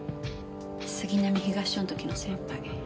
杉並東署の時の先輩。